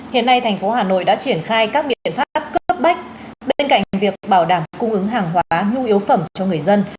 hiện nay thành phố hà nội đã triển khai các biện pháp cấp bách bên cạnh việc bảo đảm cung ứng hàng hóa nhu yếu phẩm cho người dân